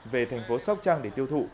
về thành phố sóc trăng để tiêu thụ